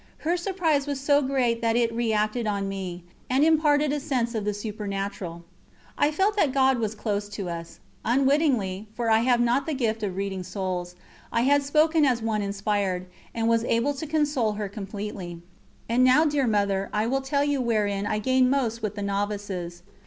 Her surprise was so great that it reacted on me, and imparted a sense of the supernatural. I felt that God was close to us. Unwittingly for I have not the gift of reading souls I had spoken as one inspired, and was able to console her completely. And now, dear Mother, I will tell you wherein I gain most with the novices.